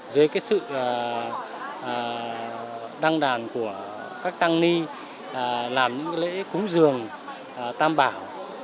dưới cái sự đăng đàn của các tăng ni làm những lễ cúng giường tam bảo